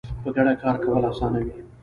په ګډه کار کول اسانه وي